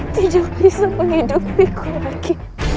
tidak bisa menghidupiku lagi